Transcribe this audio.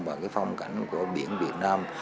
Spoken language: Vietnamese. và cái phong cảnh của biển việt nam